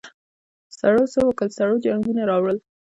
سړو څه وکل سړو جنګونه راوړل.